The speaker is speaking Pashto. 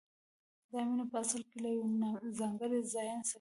دا مینه په اصل کې له یو ځانګړي ځایه سرچینه اخلي